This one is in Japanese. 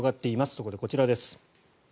そこでこちらです。